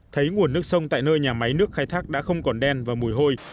thấy nguồn nước sông tại nơi nhà máy nước khai thác đã không còn đen và mùi hôi